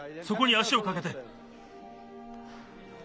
そこに足をかけて。